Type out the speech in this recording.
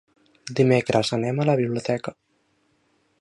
Dimecres anem a la biblioteca.